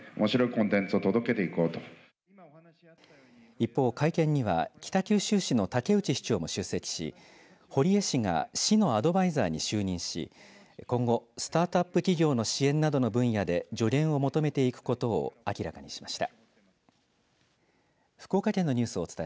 一方、会見には北九州市の武内市長も出席し堀江氏が市のアドバイザーに就任し今後スタートアップ企業の支援などの分野で助言を求めていくことなどを明らかにしました。